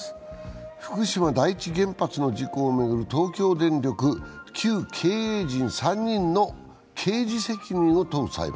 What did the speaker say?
福島第一原発の事故を巡る東京電力旧経営陣３人の刑事責任を問う裁判。